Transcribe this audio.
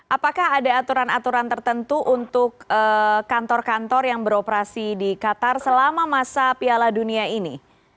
apakah ada aturan aturan tertentu untuk kantor kantor yang beroperasi di qatar selama masa piala dunia ini